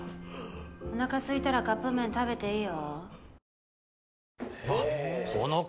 おなかすいたらカップ麺食べていいよ。